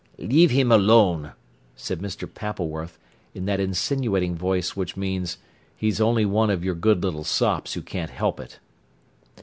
"Leave him alone," said Mr. Pappleworth, in that insinuating voice which means, "He's only one of your good little sops who can't help it."